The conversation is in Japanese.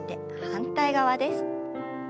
反対側です。